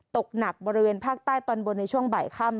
ตกหนักบริเวณภาคใต้ตอนบนในช่วงบ่ายค่ำ